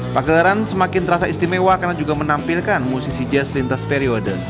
pagelaran semakin terasa istimewa karena juga menampilkan musisi jazz lintas periode